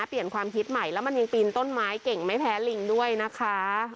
เปลี่ยนความคิดใหม่แล้วมันยังปีนต้นไม้เก่งไม่แพ้ลิงด้วยนะคะ